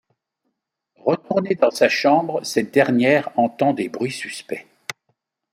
Retournée dans sa chambre, cette dernière entend des bruits suspects.